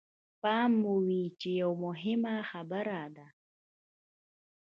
پام مو وي چې يوه مهمه خبره ده.